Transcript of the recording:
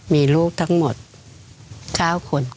มีลูกทั้งหมด๙คน